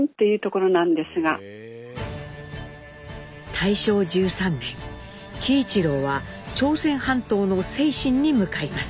大正１３年喜一郎は朝鮮半島の清津に向かいます。